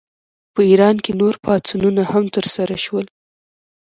په ایران کې نور پاڅونونه هم ترسره شول.